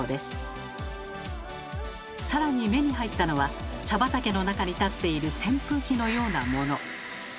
更に目に入ったのは茶畑の中に立っている扇風機のようなもの。